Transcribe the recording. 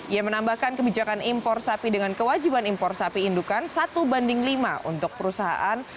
ia menambahkan kebijakan impor sapi dengan kewajiban impor sapi indukan satu banding lima untuk perusahaan